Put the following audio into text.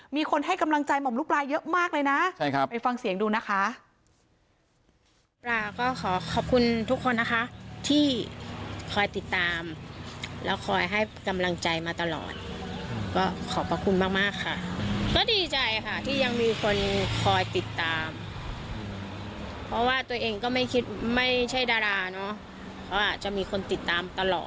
มีคนให้กำลังใจหม่อมลูกปลาเยอะมากเลยนะไปฟังเสียงดูนะคะ